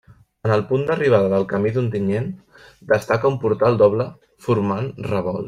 En el punt d'arribada del camí d'Ontinyent destaca un portal doble formant revolt.